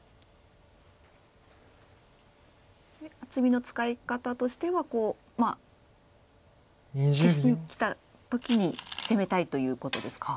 厚みの使い方としてはこう消しにきた時に攻めたいということですか。